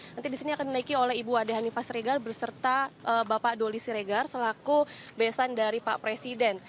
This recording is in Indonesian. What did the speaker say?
nanti di sini akan dinaiki oleh ibu ade hanifah sregar berserta bapak doli siregar selaku besan dari pak presiden